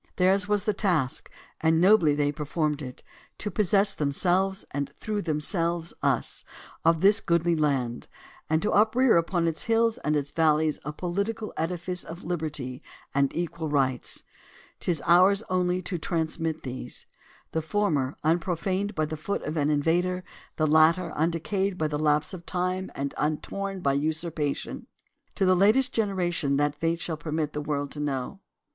... Theirs was the task (and nobly they performed it) to possess themselves, and through them selves us, of this goodly land, and to uprear upon its hills and its valleys a political edifice of liberty and equal rights; 'tis ours only to transmit these — the former unprof aned by the foot of an invader, the later undecayed by the lapse of time and untorn by usurpation — to the latest generation that fate shall permit the world to know.